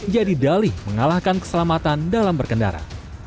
jadi dalih mengalahkan keselamatan dalam berkendara